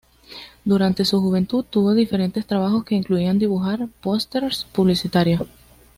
Durante su juventud, tuvo diferentes trabajos que incluían dibujar pósters publicitarios.